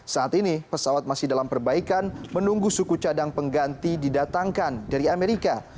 saat ini pesawat masih dalam perbaikan menunggu suku cadang pengganti didatangkan dari amerika